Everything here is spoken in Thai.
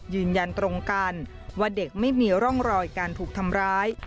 ยืนยันตรงกันว่าเด็กไม่มีร่องรอยการถูกทำร้าย